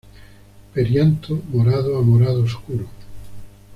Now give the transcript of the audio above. Perianto morado a morado oscuro.